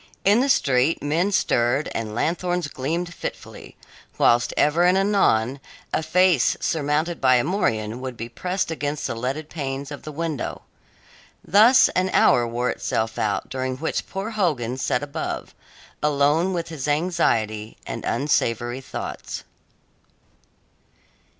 In the street men stirred and lanthorns gleamed fitfully, whilst ever and anon a face surmounted by a morion would be pressed against the leaded panes of the window. Thus an hour wore itself out during which poor Hogan sat above, alone with his anxiety and unsavoury thoughts.